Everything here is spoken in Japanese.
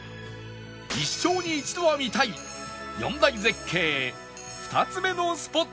一生に一度は見たい４大絶景２つ目のスポットが